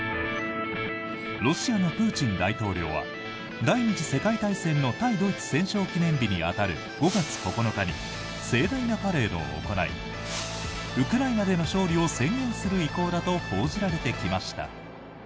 ロシアのプーチン大統領は第２次世界大戦の対ドイツ戦勝記念日に当たる５月９日に盛大なパレードを行いウクライナでの勝利を宣言する意向だと報じられてきました。